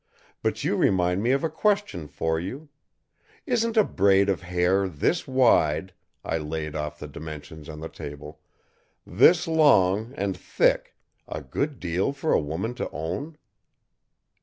But you remind me of a question for you. Isn't a braid of hair this wide," I laid off the dimensions on the table, "this long, and thick, a good deal for a woman to own?"